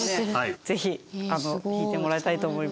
ぜひ弾いてもらいたいと思います。